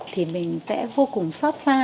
thì mình sẽ vô cùng xót xa